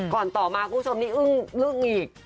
ก่อนต่อมาคุณผู้ชมนี้อึ้งลึกหงิก